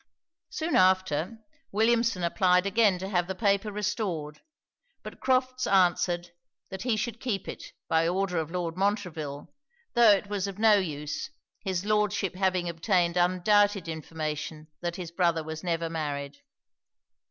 Soon after, Williamson applied again to have the paper restored; but Crofts answered, that he should keep it, by order of Lord Montreville, tho' it was of no use; his Lordship having obtained undoubted information that his brother was never married.